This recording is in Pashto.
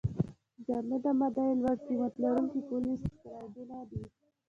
جامد ماده یې لوړ قیمت لرونکي پولې سکرایډونه دي.